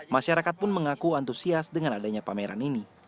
masyarakat pun mengaku antusias dengan adanya pameran ini